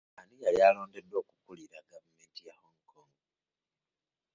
Ani yali alondeddwa okukulira gavumenti ya Hong Kong?